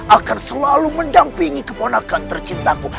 akan selalu mendampingi keponakan tercintaku